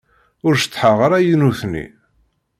Ur ceṭṭḥeɣ ara i nutni.